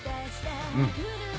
うん。